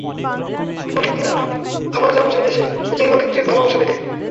কথা দিয়ে এলাম, আবারো যাব সেই দেশে, শুধুই অকৃত্রিম ভালোবাসা পেতে।